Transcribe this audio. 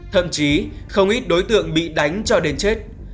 thậm chí không ít đối tượng bị đánh cho đến chết